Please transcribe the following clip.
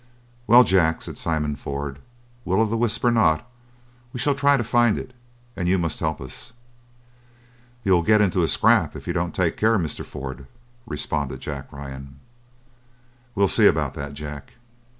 "Well, Jack," said Simon Ford, "Will o' the Wisp or not, we shall try to find it, and you must help us." "You'll get into a scrap if you don't take care, Mr. Ford!" responded Jack Ryan. "We'll see about that, Jack!"